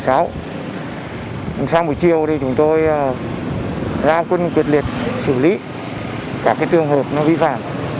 sau buổi chiều chúng tôi ra quân tuyệt liệt xử lý các trường hợp vi phạm